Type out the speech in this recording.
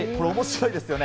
面白いですよね。